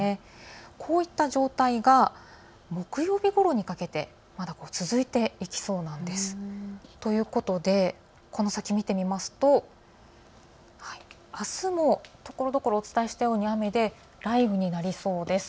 こういった状態が木曜日ごろにかけて、まだ続いていきそうなんです。ということでこの先見てみますとあすもところどころお伝えしたように雨で雷雨になりそうです。